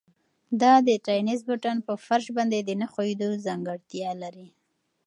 دا د تېنس بوټان په فرش باندې د نه ښویېدو ځانګړتیا لري.